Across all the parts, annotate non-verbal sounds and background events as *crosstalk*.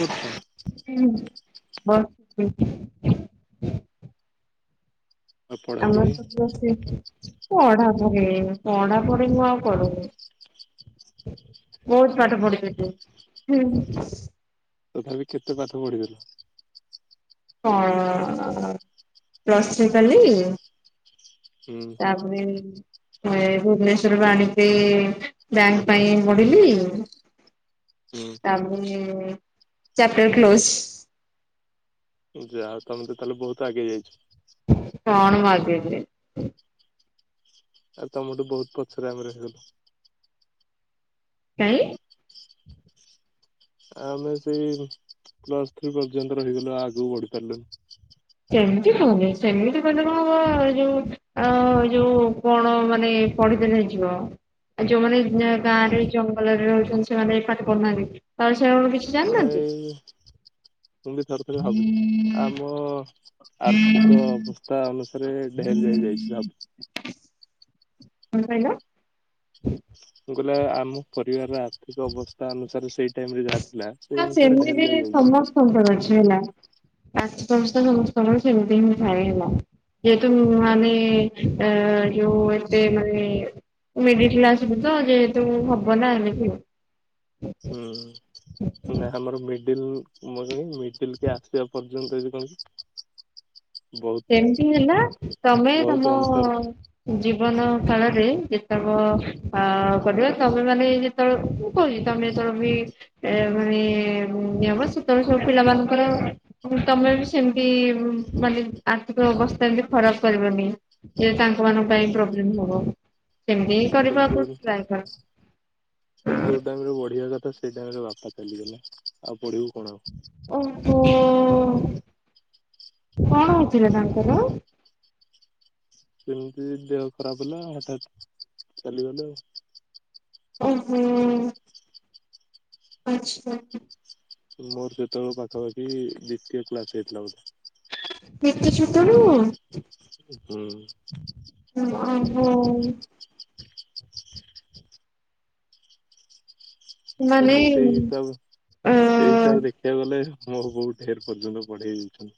କରୁଛ? ହେମିତି ବସଥିଲି। ଆଉ ଆମର ପଢାପଢି ତ ଯୋରସେ ପଢାପଢି ପଢାପଢି ମୁଁ ଆଉ ପଢୁନି। ବହୁତ ପାଠ ପଢ଼ୁଚୁ ତୁ। ତଥାବି କେତେ ପାଠ ପଢିଦେଲୁ? କଣ ପ୍ଲସଥ୍ରି କଲେ କି? ହୁଁ। ତାପରେ। ଏ ଭୁବନେଶ୍ଵରରୁ ଆଣିକି ବ୍ୟାଙ୍କ ପାଇଁ ପଢିଲି। ହୁଁ ତାପରେ ଚାପଟର କ୍ଲୋଜ। ଯାହାହଉ ତମେ ତ ତାହେଲେ ବହୁତ ଆଗେଇ ଯାଇଛ। କଣ ମଁ ଆଗେଇଚି। ଆଉ ତମଠୁ ବହୁତ ପଛରେ ଆମେ ରହିଗଲୁ। କାଇଁ? ଆମେ ସେଇ ପ୍ଲସ ଥ୍ରୀ ପର୍ଯ୍ୟନ୍ତ ରହିଗଲୁ ଆଉ ଆଗୁକୁ ବଢି ପାରିଲୁନି। ସେମତି କୁହନି ସେମିତି କହିଲେ କଣ ହବ ଯୋଉ। ଅ ଏଇ ଯୋଉ କଣ ମାନେ ପଢ଼ିଦେଲେ ହେଇଯିବ ଏ ଯୋଉମାନେ *unintelligible* ଗାଁରେ ଜଙ୍ଗଲରେ ରହୁଛନ୍ତି ସେମାନେ ଏଇ ପାଠ ପଢୁନାହାନ୍ତି ତା ବୋଲି ସେ କିଛି। ଜାଣିନାହାନ୍ତି। ନାଇଁ ମୁଁ ବି ଥରେ ଥରେ ଭାବୁଛି ଆମ। ଆର୍ଥିକ ଅବସ୍ଥା ଅନୁସାରେ ଢେଲି ଯାଇ ଯାଇଛି ଭା କଣ କହିଲ? ମୁଁ କହିଲ ଆମ ପରିବାରର ଆର୍ଥିକ ଅବସ୍ଥା ଅନୁସାରେ ସେଇ ଟାଇମ ରେ ଯାହା ଥିଲା। ସେଇ ଅନୁସାରେ ଢେଲି ଯାଏ ଯାଇଛି। ସମ୍ପର୍କ ଅଛି ହେଲା ଆର୍ଥିକ ଅବସ୍ତା ସମସ୍ତଙ୍କର ସେମିତି ହିଁ ଥାଏ ହେଲା। ଯେହେତୁ ମାନେ ଅ ଯୋଉ ଏତେ ମାନେ। ମିଡିଲ୍ କ୍ଲାସ ବୁତ ଯେହେତୁ ହବନା ଏମିତି। ହୁଁ ନା ଆମର ମି ଇଡିଲ୍ ମୋ ସାଙ୍ଗେ ମିଡିଲକୁ ଆସିବା ପର୍ଯ୍ୟନ୍ତ *unintelligible* ସେମତି ହିଁ ହେଲା ତମେ ବହୁତ ତମ। ଅନ୍ତର ଥିଲା। ଜୀବନ କାଳରେ ଯେତକ ଅ କରିଥିଲ ତମେମାନେ ଏଇ ଯେ ତଳ ମୁଁ କହୁଚି ତମେ ଯେତେବଳେ। *unintelligible* ଏ ମାନେ ଇଏ ମଁ ସେତେବେଳେ ସବୁ ପିଲାମାନଙ୍କର। ତମେବି ତମେ ବି ସେମତି ମାନେ। ଆର୍ଥିକ ଅବସ୍ଥାକି ଏମତି ଖରାପ କରିବନି ଯେ ତାଙ୍କ ମାନଙ୍କ ପାଇଁ ହୁଁ ପ୍ରୋବ୍ଲେମ ହବ। ସେମିତି ହି କହିଲି କରିବାକୁ ଯୋଉ ଟ୍ରାଏ କର। କହିଲି ଯୋଉ ଟାଇମରେ ପଢିବା କଥା ସେଇ ଟାଇମରେ ବାପା ଚାଲିଗଲେ ଆଉ ପଢିବୁ କଣ ଆଉ। ଓହୋ କଣ ହେଇଥିଲା ତାଙ୍କର? କେମିତି ଦେହ ଖରାପ ହେଲା ହଠାତ୍ ଚାଲିଗଲେ ଆଉ। ଓହୋ। ଆଚ୍ଛା। ମୋର ସେତେବେଳେ ପାଖାପାଖି ଦିତୀୟ କ୍ଲାସ ହେଇଥିଲା ବୋଧେ। ଏତେ ଛୋଟବେଳୁ। *unintelligible* ହୁଁ। ଓ ମାଇଁ ଗଡ଼। ତ ମାନେ ମୁଁ ସେଇ ହିସାବ ଅ ସେଇ ହିସାବରେ। ଦେଖିବାକୁ ଗଲେ ମୋ ବୋଉ ଢେର ପର୍ଯ୍ୟନ୍ତ ପଢ଼େଇଛନ୍ତି।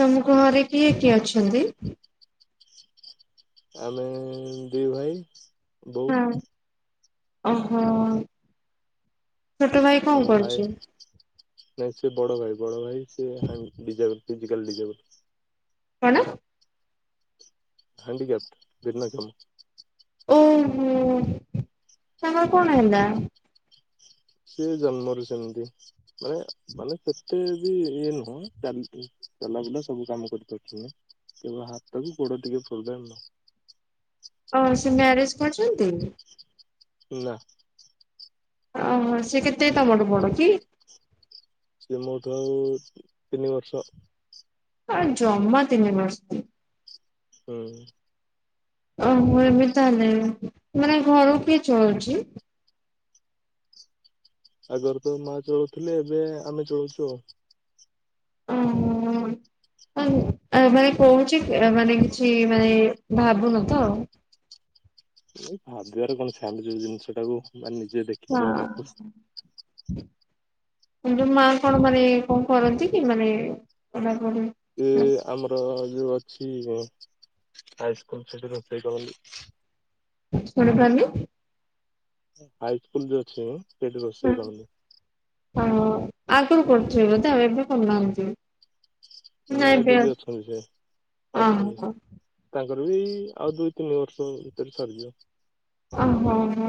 ତମ ଘରେ କିଏ କିଏ ଅଛନ୍ତି? ଆମେ ଦି ଭାଇ ବୋଉ। ହ ଓହୋ ଛୋଟ ଭାଇ କଣ ପୁଣି ଭାଇ କରୁଛି? ନାଇଁ ସେ ବଡ଼ ଭାଇ ବଡ଼ ଭାଇ ସେ ହାଇ ବିଜ ଫିଜିକଲ ଡିଜେବଲ କଣ? ହ୍ୟାଣ୍ଡିକ୍ୟାପ୍ ବିନା କେମ୍। ଓହୋ ତାଙ୍କର କଣ ହେଲା? ସିଏ ଜନ୍ମରୁ ସେମତି ମାନେ ମାନେ ସେ ଏତେ ବି ଇଏ ନୁହଁ ଚା ଚାଲା ବୁଲା ସବୁ କାମ କରିପାରୁଛନ୍ତି। କେବଳ ହାତବି ଗୋଡ ଟିକେ ଫୁଲେ ଆଉ ଅ ସେ ମ୍ୟାରେଜ କରିଛନ୍ତି। ନା। ଓହୋ ସେ କେତେ ତମଠୁଁ ବଡ କି ସିଏ ମୋ ଠୁ ଆଉ ତିନି ବର୍ଷ ହଁ ଜମା ତିିନି ବର୍ଷ ହୁଁ ଓହୋ ଏବେ ତାହଲେ ମାନେ ଘର କିଏ ଚଳୁଛି ଆଗରୁ ତ ମା ଚଳୁଥିଲେ ଏବେ ଆମେ ଚଳୁଛୁ ଆଉ ହଁ ହଁଁ ହ ମାନେ କହୁଛି ମାନେ କିଛି ମାନେ ଭାବୁନ ତ ଏଇ ଭାବିବାରେ କଣଅଛିଆମେ ଯୋଉ ଜିନିଷ ଟାକୁ ମାନେ ନିଜେ ଦେଖ ହଁ ଯୋଉ ମା କଣ ମାନେ କଣ କରନ୍ତି କି ମାନେ ପଢାପଢି ସିଏ ଆମର ଯୋଉ ଅଛି ହାଇସ୍କୁଲ ସେଠି ରୋଷେଇ କରନ୍ତି ଶୁଣି ପାରୁନି ହାଇ ସ୍କୁଲ ଯ ଅଛି ସେଠି ରୋଷେଇ କରନ୍ତି ହ ହଁ ଆଗରୁ କରୁଥିବେ ବୋଧେ ଆଉ ଏବେ କଲନାହାନ୍ତିି ନାଇଁ ଦିଦି ଅଛନ୍ତି ସେ ଅଛନ୍ତି ଓହୋ ତାଙ୍କର ବି ଆଉ ଦୁଇ ତିନି ବର୍ଷ ଭିତରେ ସରିଯିବ ଓହୋ ହ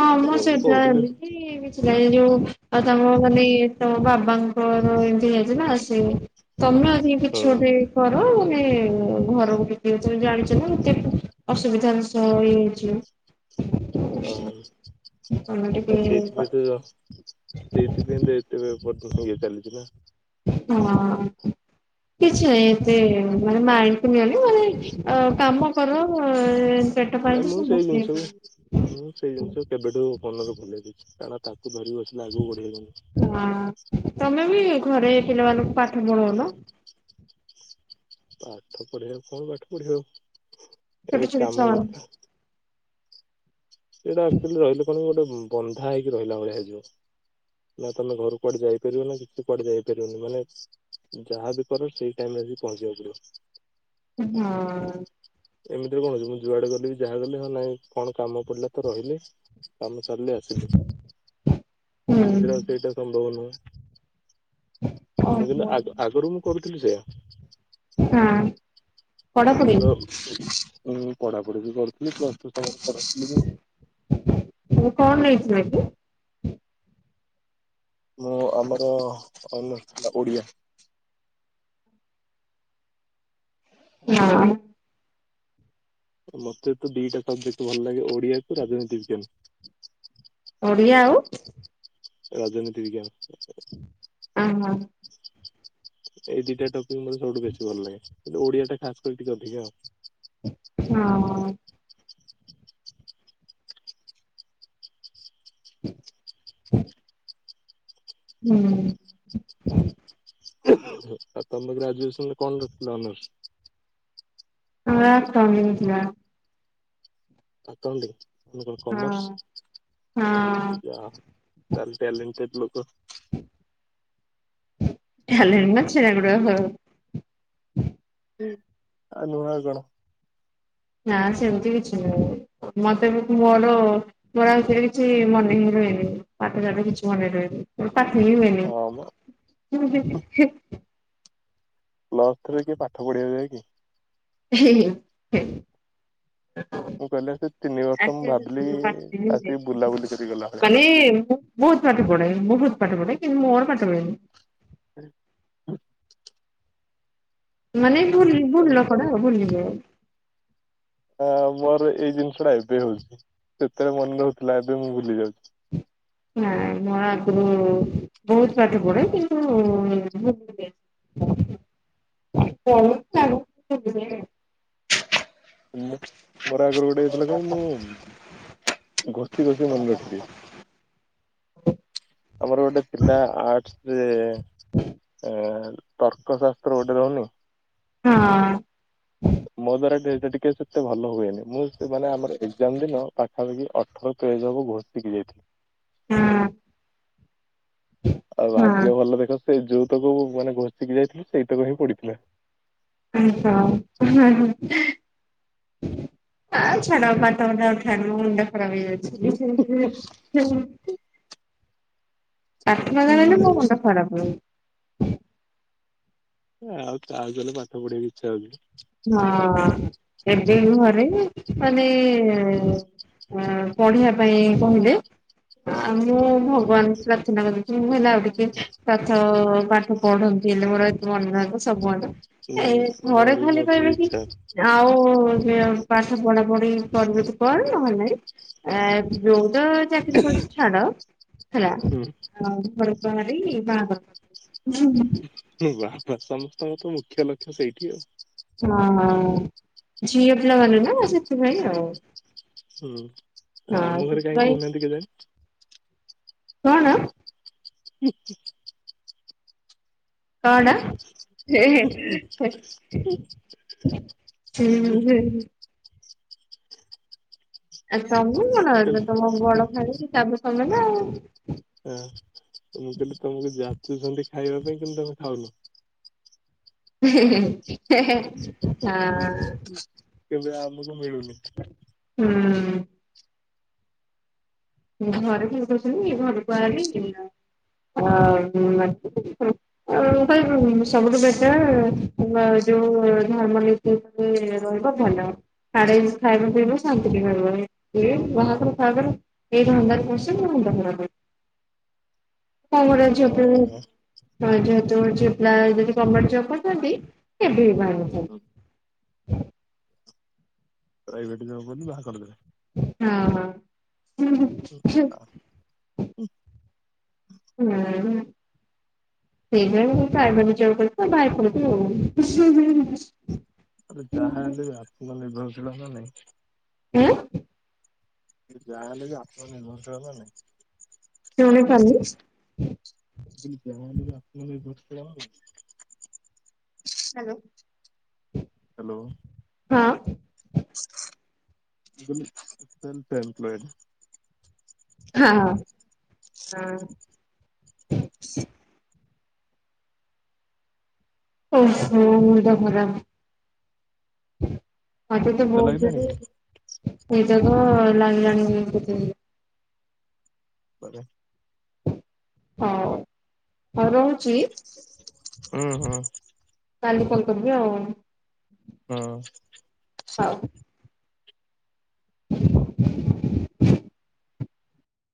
ହଁ ମୁଁ ବି ସେଇଠା କହୁଥିଲି ହେବି କିଛି ନାଇ ଏ ଯୋଉ ଆଉ ତାଙ୍କ ମାନେ ତମ ବାବା ପୁଅର ଏମତି ହେଇଥିଲା ସେ ହୁଁ ତମେ ଆଜି କିଛି ଗଟେ ପର ମାନେ ଘରକୁ ବିକି ତେ ଜାଣିଛ ନା ଏତେ ଅସୁବିଧାୁ ତ ଇଏ ହଉଛି ହଁ ତମେ ଟିକେ ନା ସେଇଥିପାଇଁ ତ ସେଇଥିପାଇଁ ତ ଏତେ ପର୍ ଚାଲିଛି ନା ହଁ କିଛି ନାହିଁ ଏତେ ମାନେ ମାଇଣ୍ଡ କୁ ନିଅନି ମାନେ ଅ କାମ କର ଅ ନାଇଁ ମୁଁ ସେଇ ଜିନିଷ କୁ ମୁଁ ସେଇ ଜିନିଷକୁ କେବେଠୁ ମନରେ ଭଲ ଦେଇଛି କାରଣ ତାକୁ ଧରିକି ବସିଲେ ଆଗକୁ ବଢେଇବନି ହଁ ତମେ ବି ଘରେ ପିଲାମାନଙ୍କୁ ପାଠ ପଢଉନ ପାଠ ପଢ ଆ କଣ ପାଠ ପଢିବା ଆଉ ଛୋଟ ଏବେ ଛୋଟ ଛୁଆ କାମ ହଁ ଯଥା ସେଇଟା ଆକ୍ଚୁଆଲି ରହିଲେ କଣ ଗୋଟେ ବନ୍ଧା ହେଇକି ରହିଲା ଭଳିଆହେଇଯିବ ନା ତମେ ଘରକୁ କୁଆଡେ ଯାଇପାରିବ ନା କିଛି କୁଆଡେ ଯାଇପାରିବନି ମାନେ ଯାହାବି କର ସେଇ ଟାଇମରେ ପହଞ୍ଚିବାକୁ ପଡିବ। ହଁ ଏମିତିରେ କଣ ହଛି ମୁଁ ଯୁଆଡେ ଗଲିି ଯହା ଗଲେ ହଁ ନାଇଁ କଣ କାମ ପଡିଲା ତ ରହିଲେ କାମ ସାରିଲେ ଆସିଲେ ହୁଁ ଏମିତିରେ ଆଉ ସେଇଟା ସମ୍ଭବ ନୁହେଁ ମୁଁ କିନ୍ତୁ ଓହୋ ଆଗ ଆଗରୁ ମୁଁ କରୁଥିଲି ସେଇଆ। ହଁ ଓ ପଢାପଢି ଆମର ପଢାପଢି ବି କରୁଥିଲି ପ୍ଲସ ଟୁ କରିଥିଲି। ମୁଁ କଣ ନେଇଥିଲେ କି? ମୁଁ ଆମର ଅନରସ ଥିଲା ଓଡିଆ। ହଁ ମୋତେ ତ ଦିଇଟା ସବଜେକ୍ଟ ଭଲ ଲାଗେ ଓଡିଆକୁ ରାଜନୀତି ବିଜ୍ଞାନ। ଓଡ଼ିଆ ଆଉ ରାଜନୀତି ବିଜ୍ଞାନ। ଆଁ ହଁ ଏଇ ଦିଟା ଟପିକ ମୋତେ ସବୁଠୁ ବେଶୀ ଭଲ ଲାଗେ କିନ୍ତୁ ଓଡିଆ ଟା ଖାସ କରି ଟିକେ ଅଧିକା ଆଉ। ହଁ ହୁଁ ଆଉ ତମେ ଗ୍ରାଜୁଏସନ ରେ କଣ ରଖଥିଲ ଅନର୍ସ? *unintelligible* ଆକାଉଣ୍ଟିଙ୍କି କଣ ହଁ କମର୍ସ ହଁ ଆ ଚାଲ ଟ୍ୟାଲେଣ୍ଟେଡ ଲୋକ। ଟାଲେନ୍ଟ ନା ଛେନା ଗୁଡ ହ। ଆ ନୁଆ କଣ? ନା ସେମିତି କିଛି ନୁହ ମତେବି ମୋର ମୋର କିଛି ମନେ ହିଁ ରୁହନି ପାଠ ଶାଠ କିଛି ମନେ ରୁହନି। ହଁ ମ *unintelligible* ପ୍ଲସ୍ ଟୁ ରେ କିଏ ପାଠ ପଢ଼ିବାକୁ ଯାଏ କି। ହିଁ ହିଁ ହ। *unintelligible* ମୁଁ କହିଲି ସେ ତିନି ବର୍ଷ ମୁଁ ଭାବିଲି ଆସିକି ବୁଲାବୁଲି କରି ଗଲା ଭଳିଆ। ମାନେ ବହୁତ ପାଠପଡେ ବହୁତ ପାଠ ପଢେ କିନ୍ତୁଁ ମୋର ପାଠ ହୁଏନି। *unintelligible* ମାନେ ଭୁଲ ମାନେ ଭୁଲକଡା ଭୁଲି ଯାଏ। ଆ ମୋର ଏଇ ଜିନିଷ ଟା ଏବେ ହଉଛି ସେତେବେଳେ ମନେ ରହୁଥିଲା ଏବେ ମୁଁ ଭୁଲି ଯାଉଛି। ନା ମୁଁ ଆଗରୁ ବହୁତ ପାଠ ପଢେ କିନ୍ତୁ ମୁଭୁଲେନି। *unintelligible* ମୋ ମୋର ଆଗରୁ ଗୋଟେ ହେଇଥିଲା କହିଲ ମୁଁ ଘଷି ଘଷି ମନେ ରଖିଦିଏ। ଆମର ଗୋଟେ ପିଲା ଆର୍ଟସରେ ଏ ତର୍କଶାସ୍ତ୍ର ଗୋଟେ ରହୁନି। ହଁ। ମୋ ଦ୍ଵାରା ଟିକେ ସେତେ ଭଲ ହୁଏନି ମୁଁ ମାନେ ଆମର ଏଜାମ ଦିନ ପାଖାପାଖି ଅଠର ତ ଏ ଯବ ଘୋସିକି ଯାଇଥିଲି। ହଁ। ଆଉ ହଁ ଭାଗ୍ୟ ହଁ ଭଲ ଦେଖ ସେ ଯୋଉ ତକୁ ମାନେ ଘଷିକି ଯାଇଥିଲ ସେଇ ତକ ହିଁ ପଡିଥିଲା। *unintelligible* ହଁ ଛାଡ଼ ପାଠ ଫାଠ ଉଠାନି ମୋ ମୁଣ୍ଡ। ଖରାପ ହେଇଯାଉଛି। ପାଠ କଥା କହିନେ ମୋ ମୁଣ୍ଡଖରାପ ହୁଏ। ଆଉ ତା ଆଗରେ ପାଠ ପଢେଇିବାକୁ ଇଚ୍ଛା ହଉଛି। ହଁ ଏବେ ବି ଘରେ ମାନେ। ପଢିବା ପାଇଁ କହିବେ। ଆଉ ମୁଁ ଭଗବାନକୁ ପ୍ରାର୍ଥନା କରୁଛି ମୁଁ ହେଲା ଆଉ ଟିକେ। ପାଠ ପାଠ ପଢନ୍ତି ହେଲେ ମୋର ଏତେ ମନେ ରହିବ ସବୁବେଳେ। ନାଇଁ ମୋର। ବି ତାହେଲେ ମଝିରେ ପାଇବା କି? ଇଚ୍ଛା ଆଉ ପାଠ ପଢା ପଢି କରିବୁ ତୁ କର ନହେଲେ ନାଇ। ଆ ଜୋଉତ ଚାକିରି କରିଛୁ ଛାଡ ହେଲା। ହୁଁ *unintelligible* ହୁ ବା ସମସ୍ତଙ୍କ ତ ମୁଖ୍ୟ ଲକ୍ଷ୍ୟ ସେଇଠି ଆଉ। ହଁ ଝିଅ ପିଲା ମାନେ ନା ସେଥିପାଇଁ ଆଉ। ହୁଁ ହଁ ଆମ ଘରେ କାହିଁ ସେଥିପାଇଁ କହୁନାହାନ୍ତି କେଜାନି। କଣ। *unintelligible* କଣ ହ ହଉ ଉ। *unintelligible* ସଦୁ ମୋ ନଣନ୍ଦ କହିଲେ ତ ମୋ ଦଡ ଭାଣିଜୀ ତାପରେ ତମେ ନା ଆଉ। ହଁ ମୁଁ କହିଲି ତମକୁ ଯାଚୁଛନ୍ତି ଖାଇବା ପାଇଁ କିନ୍ତୁ ତମେ ଖାଉନ। ହେ ହେ ହେ ହଁ। କେବେ ଆମକୁ ମିଳୁନି। ହୁଁ ମୁଁ ଘରେ ଫ କରି ଘରକୁୁ ବାହାରିଲି ଆ *inaudible* ଭ ସବୁଠୁ ବେଟର ଯୋଉ ଧମନ ରହିବ ଭଲ ଆରାମ୍ସେ ଖାଇବ ପିଇବ ଶାନ୍ତିରେ ରହିବ ଏ ବାହାଘର ଫାଘର ଏ ଧନ୍ଦାରେ ପଶିବୁ ମୁଣ୍ଡ ଖରାପ ହେଇଯିବ କଣ କରିବ ଝିଅ ପୁ ହଁ ହଁ ଯେହେତୁ ଝିଅ ପିଲା ଯଦି ଗର୍ଣ୍ଣମେଣ୍ଟ ଜବ କରୁଥାନ୍ତି କେବେ ବି ବାହା ହେଇନଥାନ୍ତି। ପ୍ରାଇଭେଟ୍ ଯବ ବୋଲି ବାହା କରିଦେବେ। ହଁ ହ ହ ଆ ହୁଁ ସେଇଥିପାଇଁ ପ୍ରାଇଭେଟ୍ ଜବ୍ କରିଛି ତ ବାହା ହେଇପଡ଼ିବି। ଆରେ ଯାହା ହେଲେ ବି ଆତ୍ମନିର୍ଭରଶୀଳ ନା ନାଇଁ। ହୁଁ ଯାହା ହେଲେ ବି ଆତ୍ମନିର୍ଭରଶୀଳ ନା ନାଇଁ। କେଉଣ ଖଲି *inaudible* ମୁଁ କହିଲି ଯାହାଲେବି ଆତ୍ମନିର୍ଭରଶୀଳ ନା ନାଇଁ। ହ୍ୟାଲୋ ହ୍ୟାଲୋ ହଁ କହିଲି ସେଲ୍ଫ ଏମ୍ପଲୋଏଡ୍ ହାଁ ହଁ ହଁ। ଓ ହୋ ମୁଣ୍ଡ ଖରାପ। ମତେ ତ ନିଦ ବହୁ ଲାଗିଲାଣି ଜୋରେ କି? ନିଦ ତ ଲଗିଲାଣି *inaudible* କରେ। ହଁ ହଉ ରହୁଛି। ହୁଁ କାଲି କଲ କରିବି ଆଉ। ହଁ। ହଉ।